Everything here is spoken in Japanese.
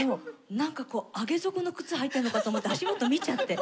なんかこう上げ底の靴履いてるのかと思って足元見ちゃって。